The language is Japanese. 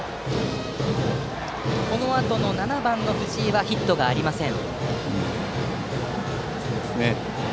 このあと、７番の藤井にはヒットがありません。